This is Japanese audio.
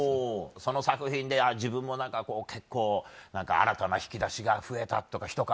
その作品で自分も何かこう結構何か新たな引き出しが増えたとかひと皮